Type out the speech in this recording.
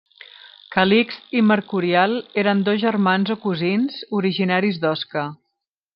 Calixt i Mercurial eren dos germans o cosins, originaris d'Osca.